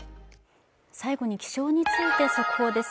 最後に気象について速報です。